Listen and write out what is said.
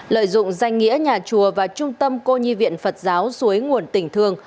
lợi dụng danh nghĩa nhà chùa và trung tâm cô nhi viện phật giáo suối nguồn tỉnh thường